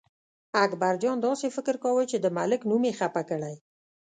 اکبرجان داسې فکر کاوه چې د ملک نوم یې خپه کړی.